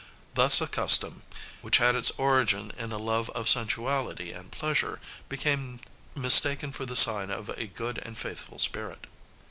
Thus a custom, which had its origin in a love of sensuality and pleasure, became mistaken for the sign of a good and faithful spirit.